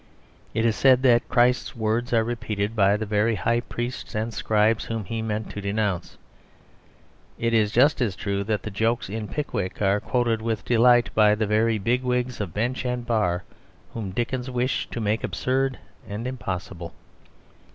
It is said that Christ's words are repeated by the very High Priests and Scribes whom He meant to denounce. It is just as true that the jokes in Pickwick are quoted with delight by the very bigwigs of bench and bar whom Dickens wished to make absurd and impossible.